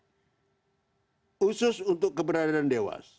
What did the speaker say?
khusus untuk keberadaan dewas